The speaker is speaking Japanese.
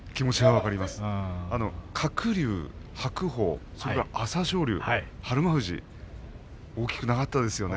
鶴竜、白鵬、朝青龍、日馬富士大きくなかったですよね。